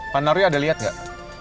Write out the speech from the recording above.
pak nari ada lihat gak